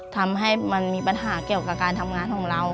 ทำให้มันมีปัญหาเกี่ยวกับการทำงานของเรา